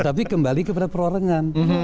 tapi kembali kepada perwarangan